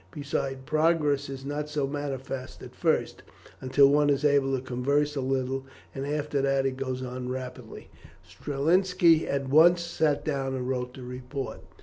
Besides, progress is not so manifest at first, until one is able to converse a little; after that it goes on rapidly." Strelinski at once sat down and wrote the report.